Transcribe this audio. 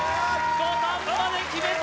土壇場で決めた！